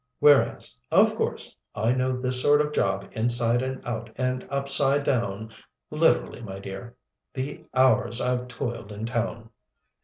Whereas, of course, I know this sort of job inside out and upside down literally, my dear. The hours I've toiled in town!"